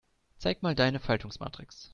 Zeig mal deine Faltungsmatrix.